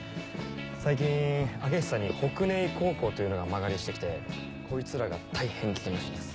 最近開久に北根壊高校というのが間借りして来てこいつらが大変危険らしいです。